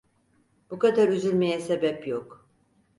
Bu kadar üzülmeye sebep yok.